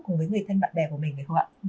cùng với người thân bạn bè của mình phải không ạ